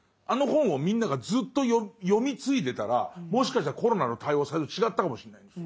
あの本をみんながずっと読み継いでたらもしかしたらコロナの対応は最初違ったかもしれない。